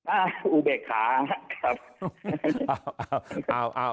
อ่าอุเบกขาครับ